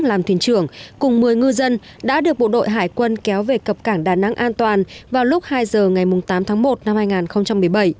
làm thuyền trưởng cùng một mươi ngư dân đã được bộ đội hải quân kéo về cập cảng đà nẵng an toàn vào lúc hai giờ ngày tám tháng một năm hai nghìn một mươi bảy